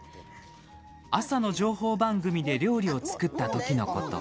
朝の情報番組で料理を作ったときのこと。